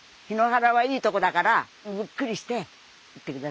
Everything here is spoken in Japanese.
檜原はいいとこだからゆっくりしていってください。